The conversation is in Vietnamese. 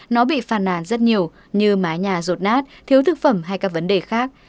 nó bị phàn nàn rất nhiều như mái nhà rột nát thiếu thực phẩm hay các vấn đề khác